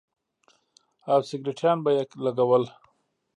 او سگرټيان به يې لگول.